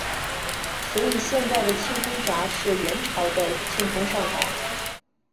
所以现在的庆丰闸是元朝的庆丰上闸。